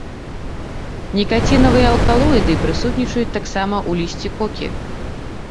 Нікацінавыя алкалоіды прысутнічаюць таксама ў лісці кокі.